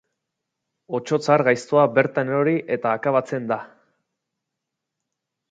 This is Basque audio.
Otso tzar gaiztoa bertan erori eta akabatzen da.